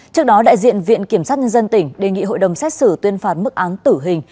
trước đó đại diện viện kiểm sát nhân dân tỉnh đề nghị hội đồng xét xử tuyên phạt mức án tử hình